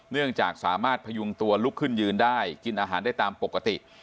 เนื่องจากสามารถพยุงตัวลุกขึ้นยืนได้กินอาหารได้ตามปกติ